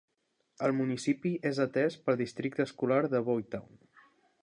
El municipi és atès pel Districte Escolar de Boyertown.